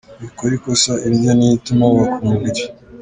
Wikora ikosa; indyo niyo ituma wubaka umubiri.